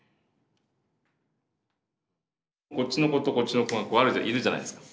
こっちの子とこっちの子がこうあるいるじゃないですか。